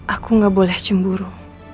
aku gak boleh cemburu